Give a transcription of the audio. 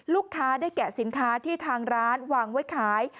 ลูกค้าได้แกะสินค้าที่ทางร้านวางไว้ขาย